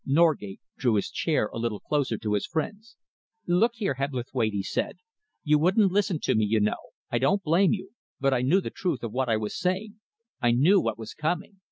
Norgate drew his chair a little closer to his friend's. "Look here, Hebblethwaite," he said, "you wouldn't listen to me, you know I don't blame you but I knew the truth of what I was saying. I knew what was coming.